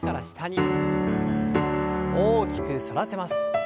大きく反らせます。